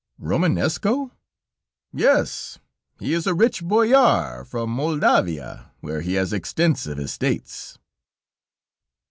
"Romanesco?" "Yes, he is a rich Boyar from Moldavia, where he has extensive estates."